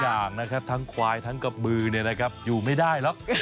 อย่างนะครับทั้งควายทั้งกระบือเนี่ยนะครับอยู่ไม่ได้หรอก